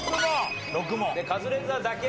でカズレーザーだけ。